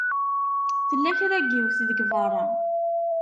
Tella kra n yiwet deg beṛṛa.